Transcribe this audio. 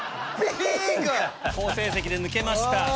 好成績で抜けました。